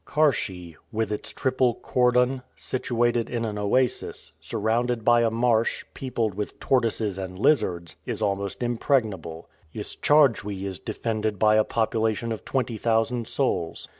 Karschi, with its triple cordon, situated in an oasis, surrounded by a marsh peopled with tortoises and lizards, is almost impregnable, Is chardjoui is defended by a population of twenty thousand souls.